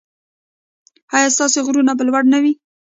ایا ستاسو غرونه به لوړ نه وي؟